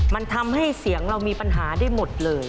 มันทำให้เสียงเรามีปัญหาได้หมดเลย